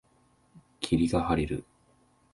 霧が晴れる。